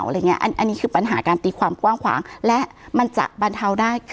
อันนี้คือปัญหาการตีความกว้างขวางและมันจะบรรเทาได้